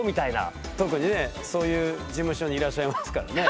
特にねそういう事務所にいらっしゃいますからね。